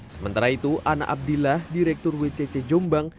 sementara itu ana abdillah direktur wcc jombang